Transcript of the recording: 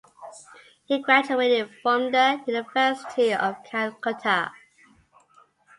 He graduated from the University of Calcutta.